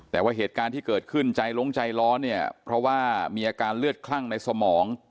แต่ว่าเหตุการณ์ที่เกิดขึ้นใจล้งใจร้อนเนี่ยเพราะว่ามีอาการเลือดคลั่งในสมอง